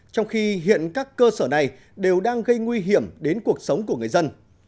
trong khi hiện các cơ sở này đều đang gây nguy hiểm đến cuộc sống của người dân